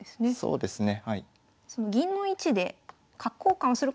そうですね。